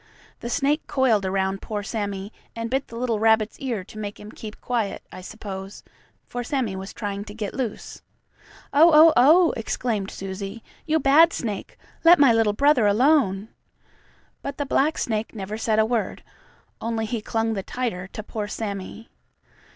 The snake coiled around poor Sammie, and bit the little rabbit's ear to make him keep quiet, I suppose, for Sammie was trying to get loose. "Oh, oh, oh!" exclaimed Susie. "You bad snake! Let my little brother alone." But the black snake never said a word, only he clung the tighter to poor Sammie.